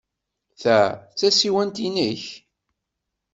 Ta d tasiwant-nnek?